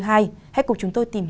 hãy cùng chúng tôi tìm hiểu